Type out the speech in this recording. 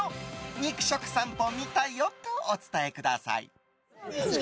肉食さんぽ見たよとお伝えください。